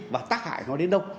và tác hại nó đến đâu